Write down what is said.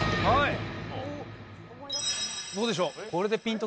はい。